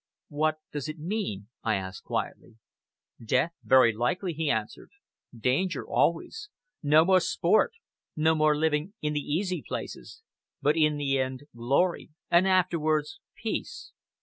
"What does it mean?" I asked quietly. "Death, very likely," he answered. "Danger always. No more sport, no more living in the easy places. But in the end glory and afterwards peace.